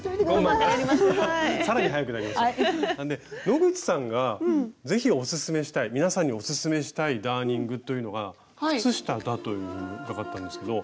野口さんがぜひおすすめしたい皆さんにおすすめしたいダーニングというのが靴下だと伺ったんですけど。